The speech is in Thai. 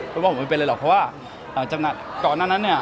คุณพ่อผมไม่เป็นไรหรอกเพราะว่าหลังจากนั้น